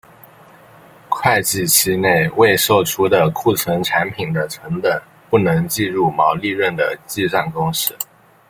会计期内未售出的库存产品的成本不能计入毛利润的计算公式。